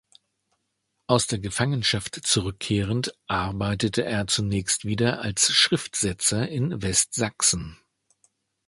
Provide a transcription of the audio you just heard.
Aus der Gefangenschaft zurückkehrend, arbeitete er zunächst wieder als Schriftsetzer in Westsachsen.